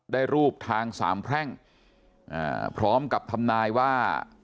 ได้รูปทางสามแพร่งพร้อมกับทำนายว่า